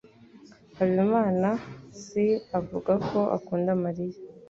Habimanaasi avuga ko akunda Mariya.